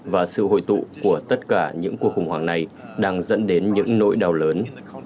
và sự hội tụ của tất cả những cuộc khủng hoảng này đang dẫn đến những nỗi đau lớn